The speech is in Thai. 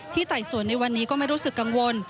ไต่สวนในวันนี้ก็ไม่รู้สึกกังวล